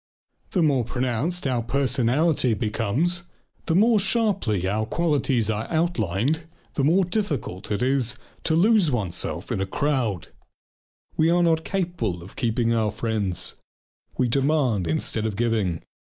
The more pronounced our individuality becomes, the more sharply our qualities are outlined, the more difficult is it to lose oneself in a crowd. We are not capable of keeping our friends. We demand instead of giving.